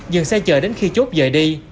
dừng xe chờ đến khi chốt dời đi